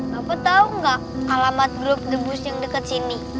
bapak tau gak alamat grup the bus yang deket sini